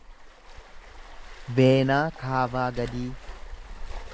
veenaa kaavaa gadii